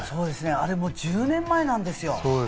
あれもう１０年前なんですよ。